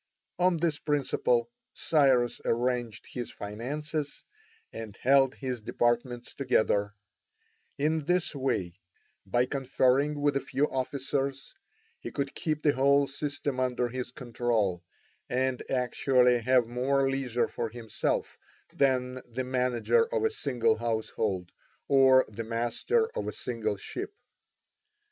On this principle Cyrus arranged his finances and held his departments together; in this way, by conferring with a few officers he could keep the whole system under his control, and actually have more leisure for himself than the manager of a single household or the master of a single ship.